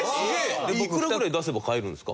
いくらぐらい出せば買えるんですか？